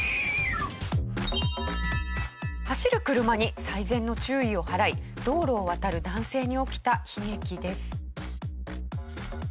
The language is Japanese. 走る車に最善の注意を払い道路を渡る男性に起きた悲劇です。